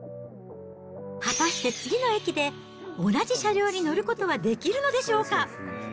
果たして次の駅で、同じ車両に乗ることはできるのでしょうか。